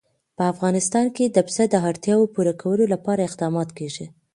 په افغانستان کې د پسه د اړتیاوو پوره کولو لپاره اقدامات کېږي.